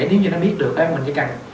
nếu như nó biết được á mình chỉ cần